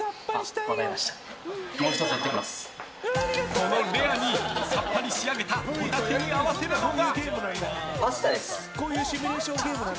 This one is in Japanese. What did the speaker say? このレアにさっぱり仕上げたホタテに合わせるのが。